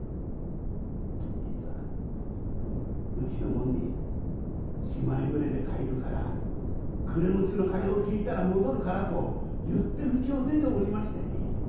実はうちの者にしまい船で帰るから暮れ六つの鐘を聞いたら戻るからと言ってうちを出ておりましてね。